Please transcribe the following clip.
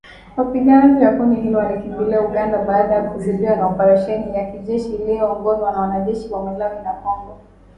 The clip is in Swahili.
Wapiganaji wa kundi hilo walikimbilia Uganda baada ya kuzidiwa na oparesheni ya kijeshi iliyoongozwa na wanajeshi wa Malawi na Kongo